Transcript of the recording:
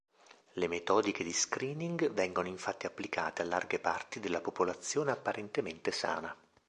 Le metodiche di screening vengono infatti applicate a larghe parti della popolazione apparentemente sana.